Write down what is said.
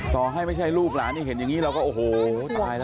ต่อให้ไม่ใช่ลูกหลานที่เห็นอย่างนี้เราก็โอ้โหตายแล้ว